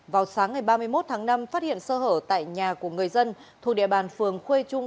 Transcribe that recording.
vào sáng ngày ba mươi một tháng năm phát hiện sơ hở tại nhà của người dân thuộc địa bàn phường khuê trung